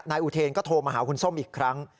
นายอุเทนก็โทรมาหาคุณส้มอีกครั้ง